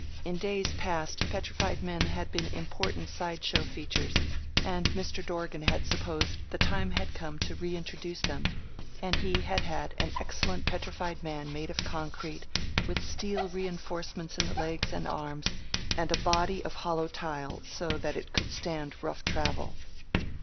In days past petrified men had been important side show features and Mr. Dorgan had supposed the time had come to re introduce them, and he had had an excellent petrified man made of concrete, with steel reinforcements in the legs and arms and a body of hollow tile so that it could stand rough travel.